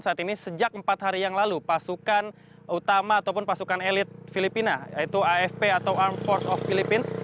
saat ini sejak empat hari yang lalu pasukan utama ataupun pasukan elit filipina yaitu afp atau arm force of filipina